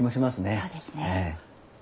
そうですね。